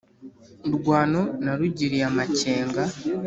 Urwano narugiriye amakenga,